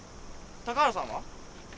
高原さん